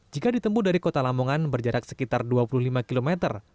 jika ditempu dari kota lamongan berjarak sekitar dua puluh lima km